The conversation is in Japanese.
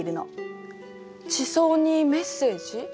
地層にメッセージ？